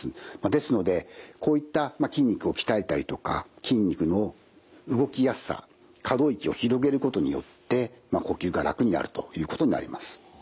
ですのでこういった筋肉を鍛えたりとか筋肉の動きやすさ可動域を広げることによって呼吸が楽になるということになります。